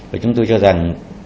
và chúng tôi cho rằng